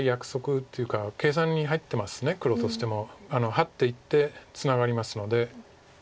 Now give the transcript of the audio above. ハッていってツナがりますので。